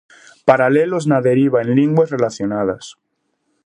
Paralelos na deriva en linguas relacionadas.